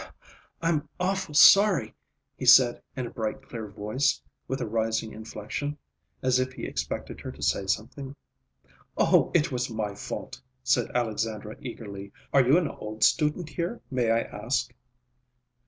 "I'm awfully sorry," he said in a bright, clear voice, with a rising inflection, as if he expected her to say something. "Oh, it was my fault!" said Alexandra eagerly. "Are you an old student here, may I ask?"